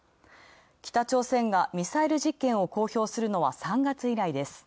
北朝鮮がミサイル実験を公表するのは３月以来です。